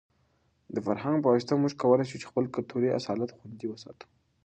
د فرهنګ په واسطه موږ کولای شو خپل کلتوري اصالت خوندي وساتو.